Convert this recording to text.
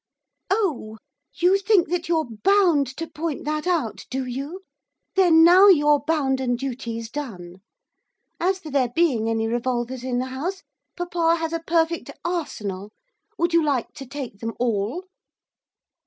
'Oh, you think that you're bound to point that out, do you, then now your bounden duty's done. As for there being any revolvers in the house, papa has a perfect arsenal, would you like to take them all?